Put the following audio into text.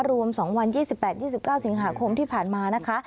รวมสองวันยี่สิบแปดยี่สิบเก้าสิงหาคมที่ผ่านมานะคะ